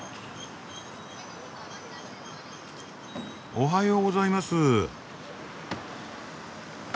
おはようございます。